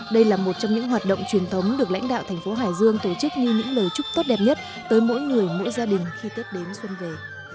đây là một trong những hoạt động truyền thống được lãnh đạo thành phố hải dương tổ chức như những lời chúc tốt đẹp nhất tới mỗi người mỗi gia đình khi tết đến xuân về